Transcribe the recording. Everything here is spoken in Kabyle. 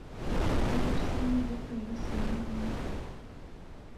Yuɣal Sami d aterras niḍen.